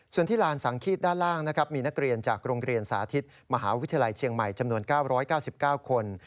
ส่วนที่ลานสังขีดด้านล่างนะครับมีนักเรียนจากโรงเรียนสาธิตมหาวิทยาลัยเชียงใหม่จำนวน๙๙คน